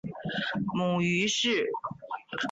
母于氏。